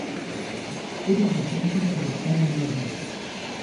It is adjacent to the Salmon River.